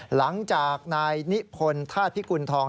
หลังจากนายนิพนธ์ธาตุพิกุณฑอง